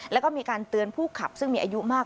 แล้วก็มีการเตือนผู้ขับซึ่งมีอายุมาก